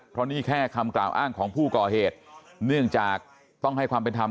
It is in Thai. เพราะนี่แค่คำกล่าวอ้างของผู้ก่อเหตุเนื่องจากต้องให้ความเป็นธรรม